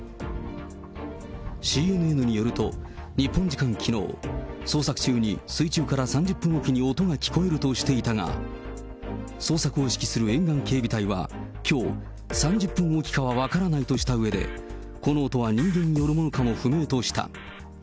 ＣＮＮによると、日本時間きのう、捜索中に水中から３０分置きに音が聞こえるとしていたが、捜索を指揮する沿岸警備隊はきょう、３０分置きかは分からないとしたうえで、この音は人間によるものかも不明とした。